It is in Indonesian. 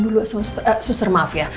dulu sama suster eh suster maaf ya